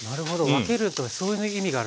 分けるとそういう意味があるんですね。